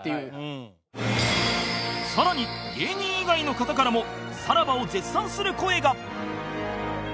更に芸人以外の方からもさらばを絶賛する声が